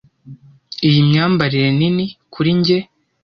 Iyi myambarire nini kuri njye.